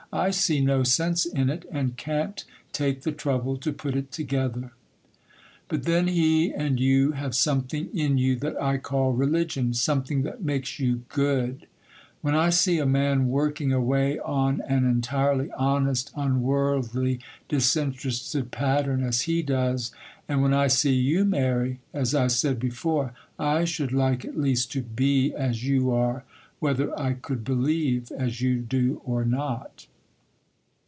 I see no sense in it, and can't take the trouble to put it together. But then he and you have something in you that I call religion,—something that makes you good. When I see a man working away on an entirely honest, unworldly, disinterested pattern, as he does, and when I see you, Mary, as I said before, I should like at least to be as you are, whether I could believe as you do or not.